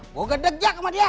gue ngedek jak sama dia